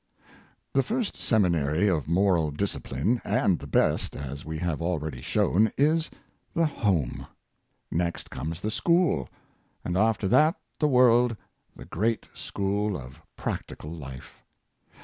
The first seminary of moral discipline, and the best, as we have already shown, is the home; next comes the school, and after that the world, the great school of practical life.